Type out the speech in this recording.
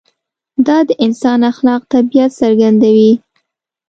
دا د انسان خلاق طبیعت څرګندوي.